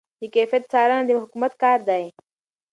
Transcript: د کیفیت څارنه د حکومت کار دی.